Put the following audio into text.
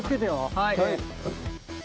はい。